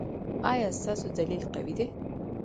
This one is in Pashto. ایا ستاسو دلیل قوي دی؟